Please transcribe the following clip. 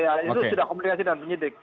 iya besok ya itu sudah komunikasi dengan penyidik